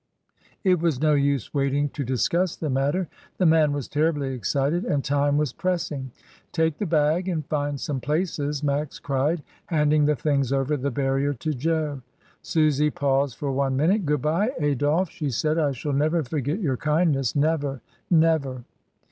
It was no use waiting to discuss the matter, the man was terribly excited and time was pressing. "Take the bag and find some places," Max cried, handing the things over the barrier to Jo. Susy paused for one minute. "Good bye, Adolphe," she said, "I shall never forget your kindness — never, never."